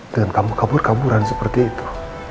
dan kamu kabur kaburan seperti itu